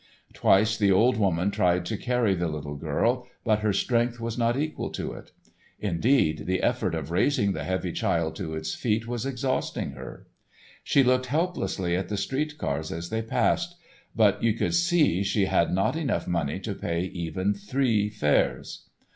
Twice the old woman tried to carry the little girl, but her strength was not equal to it; indeed, the effort of raising the heavy child to its feet was exhausting her. She looked helplessly at the street cars as they passed, but you could see she had not enough money to pay even three fares.